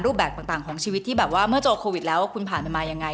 แบบต่างของชีวิตที่แบบว่าเมื่อเจอโควิดแล้วคุณผ่านไปมายังไง